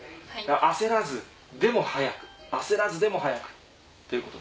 焦らずでも速く焦らずでも速くっていうこと。